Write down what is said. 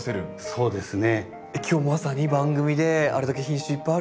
そうですね。